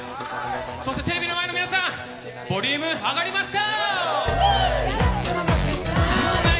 そしてテレビの前の皆さん、ボリューム上がりますか？